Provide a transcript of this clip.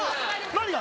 何が？